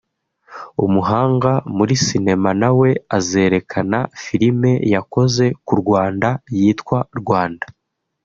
umuhanga muri sinema na we azerekana filime yakoze ku Rwanda yitwa Rwanda